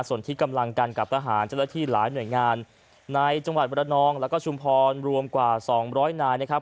ส่วนที่กำลังกันกับทหารเจ้าหน้าที่หลายหน่วยงานในจังหวัดบรรนองแล้วก็ชุมพรรวมกว่าสองร้อยนายนะครับ